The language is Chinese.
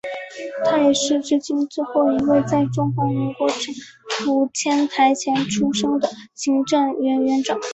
他也是至今最后一位在中华民国政府迁台前出生的行政院院长。